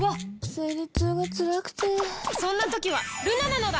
生理痛がつらくてそんな時はルナなのだ！